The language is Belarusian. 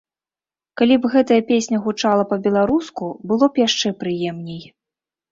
Калі б гэтая песня гучала па-беларуску, было б яшчэ прыемней.